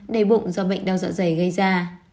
đầy bụng do bệnh đau dạ dày gây ra